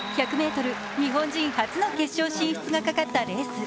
１００ｍ日本人初の決勝進出がかかったレース。